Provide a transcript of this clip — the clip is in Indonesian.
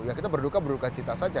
ya kita berduka berduka cita saja